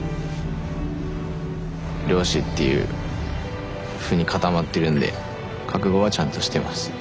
漁師っていうふうに固まってるんで覚悟はちゃんとしてます。